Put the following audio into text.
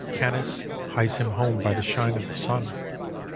Oanice hies him home by the shine of the sun.